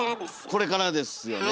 これからです。